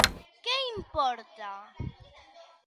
Que importa.